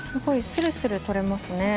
するする取れますね。